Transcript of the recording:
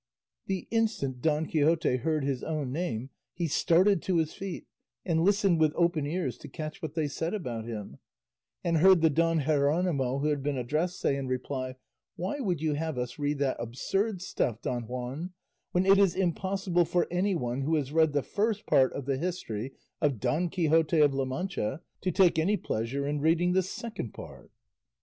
'" The instant Don Quixote heard his own name, be started to his feet and listened with open ears to catch what they said about him, and heard the Don Jeronimo who had been addressed say in reply, "Why would you have us read that absurd stuff, Don Juan, when it is impossible for anyone who has read the First Part of the history of 'Don Quixote of La Mancha' to take any pleasure in reading this Second Part?"